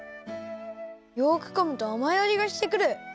よくかむとあまいあじがしてくる。